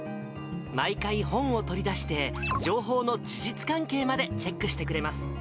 毎回、本を取り出して、情報の事実関係までチェックしてくれます。